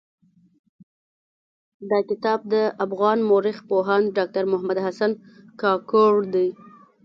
دا کتاب د افغان مٶرخ پوهاند ډاکټر محمد حسن کاکړ دٸ.